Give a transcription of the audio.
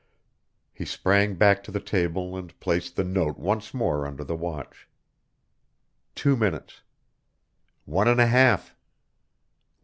He sprang back to the table and placed the note once more under the watch. Two minutes! One and a half!